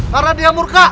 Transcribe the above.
karena dia murka